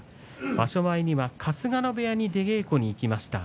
場所前には春日野部屋に出稽古に行きました。